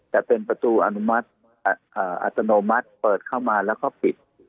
แต่เป็นประตูอนุมัติอัตโนมัติเปิดเข้ามาแล้วก็ปิด